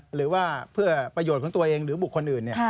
หรือว่าเพื่อประโยชน์ของตัวเองหรือบุคคลอื่น